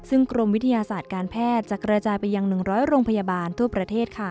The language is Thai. ซึ่งกรมวิทยาศาสตร์การแพทย์จะกระจายไปยัง๑๐๐โรงพยาบาลทั่วประเทศ